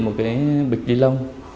một cái bịch lý lông